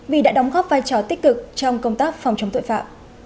vì đã đóng góp vai trò tích cực trong công tác phòng chống tội phạm